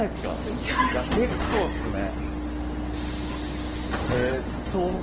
結構っすね。